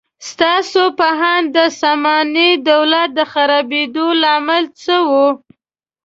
ستاسو په اند د ساماني دولت د خرابېدو لامل څه و؟